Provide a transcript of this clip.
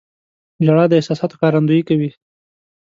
• ژړا د احساساتو ښکارندویي کوي.